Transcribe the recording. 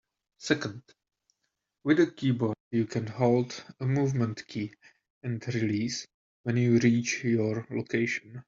Second, with a keyboard you can hold a movement key and release when you reach your location.